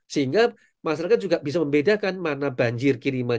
sehingga masyarakat juga bisa membedakan mana banjir kiriman